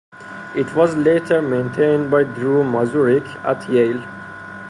It was later maintained by Drew Mazurek at Yale.